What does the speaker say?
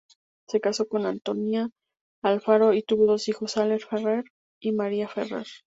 Se casó con Antònia Alfaro y tuvo dos hijos, Albert Ferrer y Maria Ferrer.